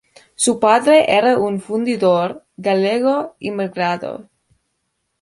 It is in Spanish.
Su padre era un fundidor gallego emigrado.